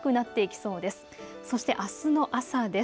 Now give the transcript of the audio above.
そしてあすの朝です。